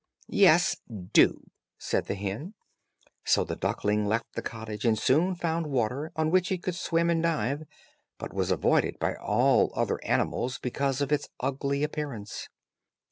"Yes, do," said the hen. So the duckling left the cottage, and soon found water on which it could swim and dive, but was avoided by all other animals, because of its ugly appearance.